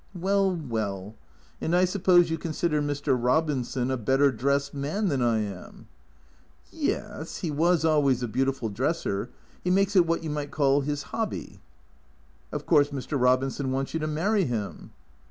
" Well, well. And I suppose you consider Mr. Robinson a better dressed man than I am ?"" Yes, he was always a beautiful dresser. He makes it what you might call 'is hobby." " Of course Mr. Robinson wants you to marry him